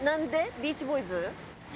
『ビーチボーイズ』？